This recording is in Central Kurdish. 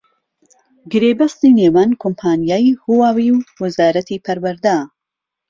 گرێبەستی نێوان کۆمپانیای هواوی و وەزارەتی پەروەردە